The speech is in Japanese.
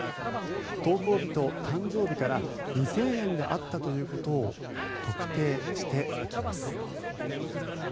投稿日と誕生日から未成年であったということを特定していきます。